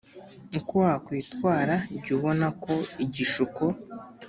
uko wakwitwara jya ubona ko igishuko